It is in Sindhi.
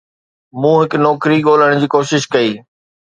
مون هڪ نوڪري ڳولڻ جي ڪوشش ڪئي.